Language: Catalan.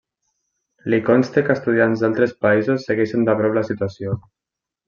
Li consta que estudiants d'altres països segueixen de prop la situació.